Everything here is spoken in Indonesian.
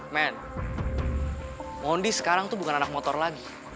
mon mondi sekarang tuh bukan anak motor lagi